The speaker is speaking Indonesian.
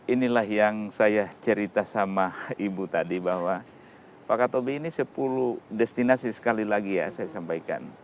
inilah yang saya cerita sama ibu tadi bahwa pakatobi ini sepuluh destinasi sekali lagi ya saya sampaikan